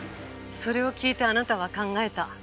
それを聞いてあなたは考えた。